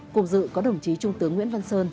cùng dự có đồng chí trung tướng nguyễn văn sơn